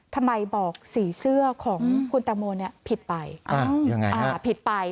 ทำไมบอกสีเสื้อของคุณตามโมผิดไป